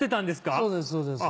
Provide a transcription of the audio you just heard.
はいそうですそうです。